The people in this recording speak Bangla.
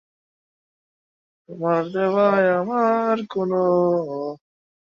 অনেকে মনে করেন, বাংলাদেশের অভ্যুদয় ভারতের নিরাপত্তার ক্ষেত্রে ভিন্ন পরিপ্রেক্ষিত তৈরি করেছে।